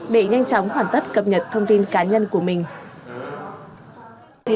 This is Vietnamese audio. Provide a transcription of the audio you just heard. để nhanh chóng hoàn tất cập nhật thông tin cá nhân của mình